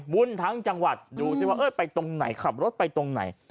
วุ่นทั้งจังหวัดดูสิว่าไปตรงไหนขับรถไปตรงไหน